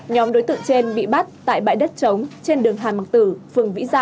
nhóm đối tượng trên bị bắt tại bãi đất trống trên đường hàn mạc tử phường vĩ dạ